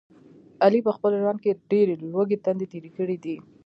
علي په خپل ژوند کې ډېرې لوږې تندې تېرې کړي دي.